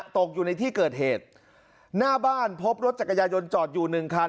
ตกอยู่ในที่เกิดเหตุหน้าบ้านพบรถจักรยายนจอดอยู่หนึ่งคัน